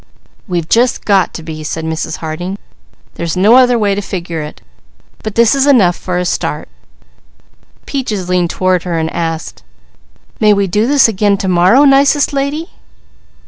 "We've just got to be," said Mrs. Harding. "There's no other way to figure it. But this is enough for a start." Peaches leaned toward her and asked: "May we do this again to morrow, nicest lady?"